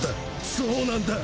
そうなんだ！